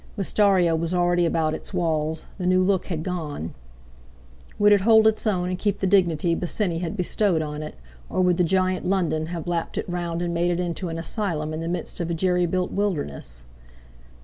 Wistaria was already about its walls—the new look had gone. Would it hold its own and keep the dignity Bosinney had bestowed on it, or would the giant London have lapped it round and made it into an asylum in the midst of a jerry built wilderness?